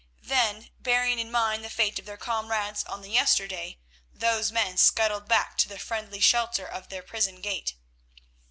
Then, bearing in mind the fate of their comrades on the yesterday, those men scuttled back to the friendly shelter of the prison gate.